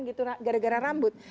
gitu gara gara rambut